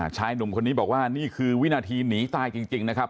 ชายหนุ่มคนนี้บอกว่านี่คือวินาทีหนีตายจริงนะครับ